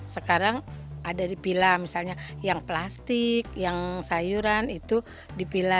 sekarang ada di pila misalnya yang plastik yang sayuran itu dipilah